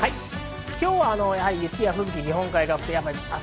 今日は雪や吹雪、日本海側です。